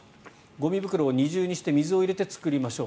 ゴミ袋を二重にして水を入れて作りましょう。